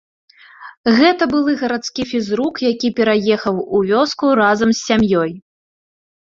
Гэта былы гарадскі фізрук, які пераехаў у вёску разам з сям'ёй.